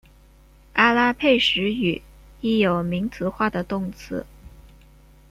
阿拉佩什语亦有名词化的动词。